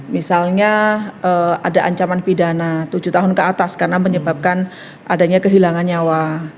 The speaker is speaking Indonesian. misalnya ada ancaman pidana tujuh tahun ke atas karena menyebabkan adanya kehilangan nyawa